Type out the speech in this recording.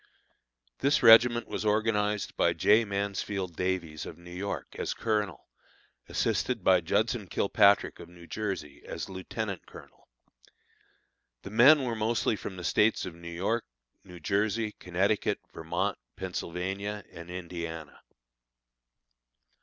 This regiment was organized by J. Mansfield Davies, of New York, as colonel, assisted by Judson Kilpatrick, of New Jersey, as lieutenant colonel. The men were mostly from the States of New York, New Jersey, Connecticut, Vermont, Pennsylvania, and Indiana.